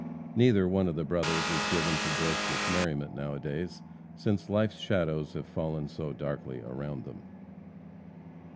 Neither one of the brothers is given to boisterous merriment now a days, since life's shadows have fallen so darkly around them.